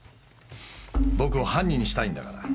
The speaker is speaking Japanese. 僕を犯人にしたいんだから。